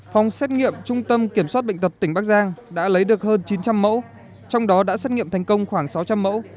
phòng xét nghiệm trung tâm kiểm soát bệnh tật tỉnh bắc giang đã lấy được hơn chín trăm linh mẫu trong đó đã xét nghiệm thành công khoảng sáu trăm linh mẫu